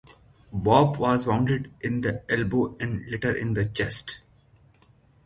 Bob was wounded in the elbow and later in the chest.